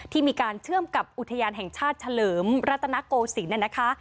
มีการเชื่อมกับอุทยานแห่งชาติเฉลิมรัตนโกศิลป์นะคะ